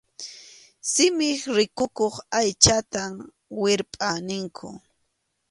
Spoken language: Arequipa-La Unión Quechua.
Simip rikukuq aychanta wirpʼa ninkum.